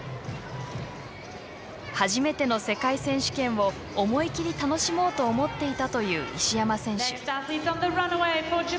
「初めての世界選手権を思い切り楽しもうと思っていた」という石山選手。